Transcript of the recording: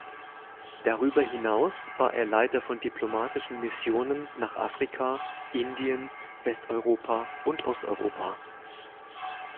Darüber hinaus war er Leiter von diplomatischen Missionen nach Afrika, Indien, Westeuropa und Osteuropa.